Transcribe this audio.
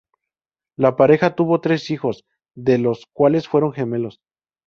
La pareja tuvo tres hijos, dos de los cuales fueron gemelos.